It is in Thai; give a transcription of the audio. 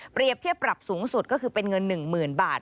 เทียบปรับสูงสุดก็คือเป็นเงิน๑๐๐๐บาท